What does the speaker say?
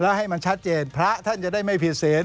แล้วให้มันชัดเจนพระท่านจะได้ไม่ผิดเสน